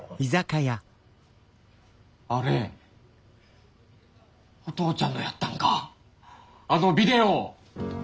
あれお父ちゃんのやったんかあのビデオ！